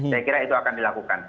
saya kira itu akan dilakukan